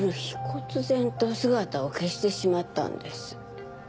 こつぜんと姿を消してしまったんです。